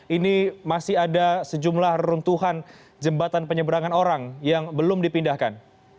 ini masih ada sejumlah runtuhan jembatan penyeberangan orang yang belum dipindahkan